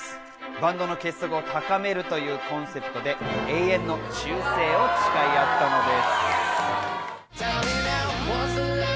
バンドの結束を高めるというコンセプトで、永遠の忠誠を誓い合ったのです。